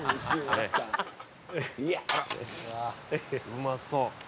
「うまそう」